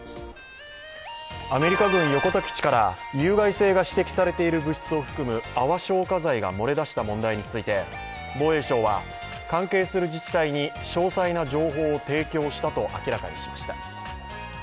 アメリカ軍横田基地から有害性が指摘されている物質を含む泡消火剤が漏れ出した問題について防衛省は、関係する自治体に詳細な情報を提供したと明らかにしました。